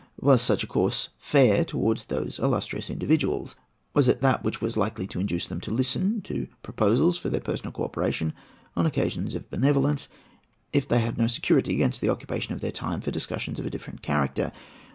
Was such a course fair towards those illustrious individuals? Was it that which was likely to induce them to listen to proposals for their personal co operation on occasions of benevolence, if they had no security against the occupation of their time for discussions of a different character?